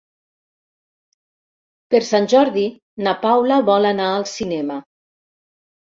Per Sant Jordi na Paula vol anar al cinema.